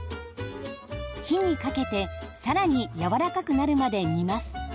火にかけて更にやわらかくなるまで煮ます。